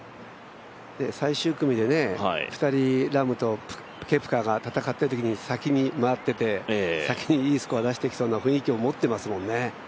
最終組で２人、ラームとケプカが戦っているときに先に回ってて、先にいいスコア出してきそうな雰囲気を持ってますもんね。